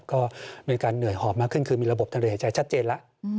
ก็มีการเหนื่อยหอบมากขึ้นคือมีระบบทะเลหายใจชัดเจนแล้ว